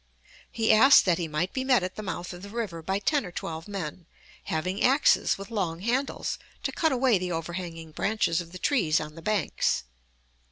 He asked that he might be met at the mouth of the river by ten or twelve men, having axes with long handles, to cut away the overhanging branches of the trees on the banks.